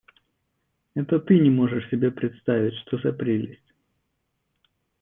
Это ты не можешь себе представить, что за прелесть!